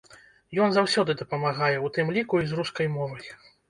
Ён заўсёды дапамагае, у тым ліку і з рускай мовай.